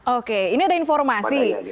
oke ini ada informasi